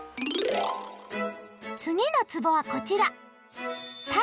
次のつぼはこちら。